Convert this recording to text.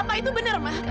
apa itu benar mak